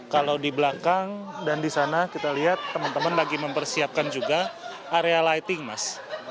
kalau di belakang dan di sana kita lihat teman teman lagi mempersiapkan juga area lighting mas